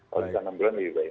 kalau bisa enam bulan lebih baik